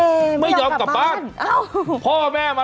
เอ่อไม่ยอมกลับบ้านอ้าว